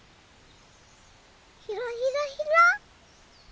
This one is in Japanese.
ひらひらひら。